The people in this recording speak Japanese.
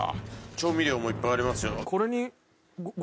調味料もいっぱいありますよ。